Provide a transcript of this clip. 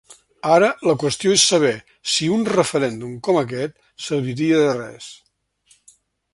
Ara la qüestió és saber si un referèndum com aquest serviria de res.